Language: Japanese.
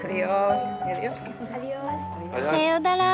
さようなら。